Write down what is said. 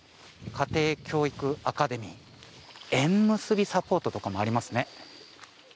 家庭教育アカデミー、縁結びサポートとかもありますね。